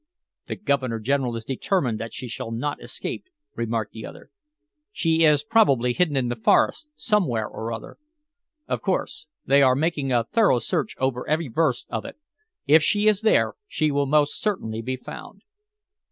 "The Governor General is determined that she shall not escape," remarked the other. "She is probably hidden in the forest, somewhere or other." "Of course. They are making a thorough search over every verst of it. If she is there, she will most certainly be found."